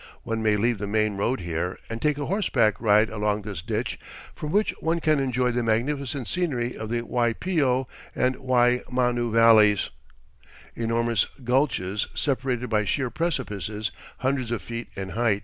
One may leave the main road here and take a horseback ride along this ditch, from which one can enjoy the magnificent scenery of the Waipio and Waimanu valleys, enormous "gulches," separated by sheer precipices hundreds of feet in height.